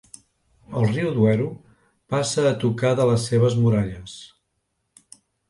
El riu Duero passa a tocar de les seves muralles.